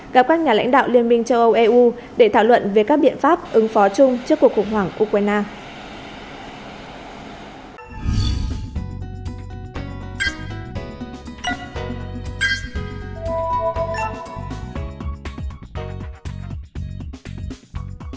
gặp các nhà lãnh đạo liên minh châu âu eu để thảo luận về các biện pháp ứng phó chung trước cuộc khủng hoảng ukraine